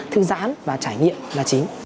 thư giãn và trải nghiệm là chính